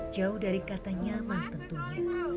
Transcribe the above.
jauh dari kata nyaman tentunya